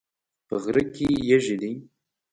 په غره کې یږي دي